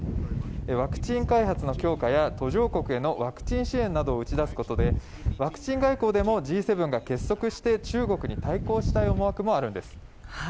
ワクチン開発の強化や途上国へのワクチン支援などを打ち出すことでワクチン外交でもＧ７が結束して中国に対抗したい思惑もあるんです。